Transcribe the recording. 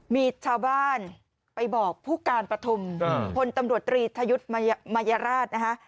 มีชาวบ้านไปบอกผู้การปฐุมพลตำรวจตรีทยุทธ์มายราชนะคะ